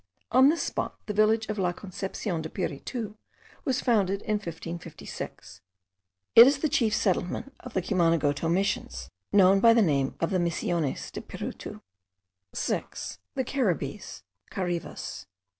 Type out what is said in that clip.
On this spot the village of La Concepcion de Piritu was founded in 1556; it is the chief settlement of the Cumanagoto Missions, known by the name of the Misiones de Piritu. 6. The Caribbees (Carives).